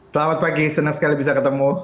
selamat pagi senang sekali bisa ketemu